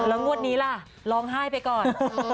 แล้วงวดนี้ล่ะร้องไห้ไปก่อน